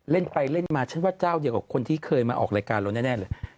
เล่นไปเล่นมาฉันว่าเจ้าเดียวกับคนที่เคยมาออกรายการเราแน่เลย